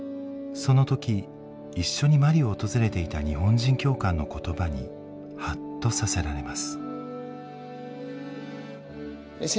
その時一緒にマリを訪れていた日本人教官の言葉にハッとさせられます。